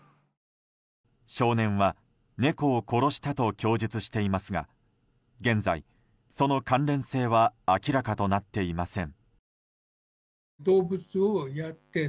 少年は猫を殺したと供述していますが現在、その関連性は明らかとなっていません。